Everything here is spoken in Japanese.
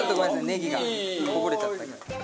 ネギがこぼれちゃった。